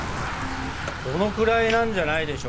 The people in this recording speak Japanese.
このくらいなんじゃないでしょうか？